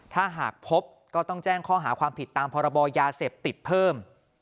ถ้าหากพบก็ต้องแจ้งข้อหาความผิดตามพรบยาเสพติดเพิ่ม